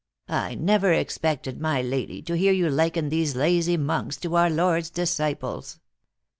" I never expected, my lady, to hear you liken these lazy monks to our Lord s disciples."